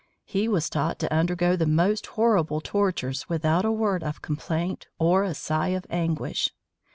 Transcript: He was taught to undergo the most horrible tortures without a word of complaint or a sign of anguish.